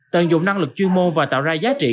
tận dụng năng lực chuyên mô và tạo ra giá trị